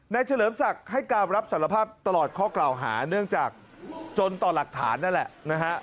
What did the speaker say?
เฉลิมศักดิ์ให้การรับสารภาพตลอดข้อกล่าวหาเนื่องจากจนต่อหลักฐานนั่นแหละนะฮะ